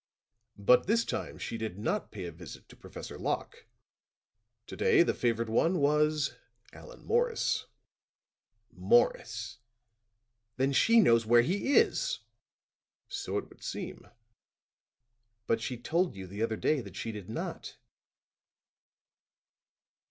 "But this time she did not pay a visit to Professor Locke. To day the favored one was Allan Morris." "Morris! Then she knows where he is?" "So it would seem." "But she told you the other day that she did not."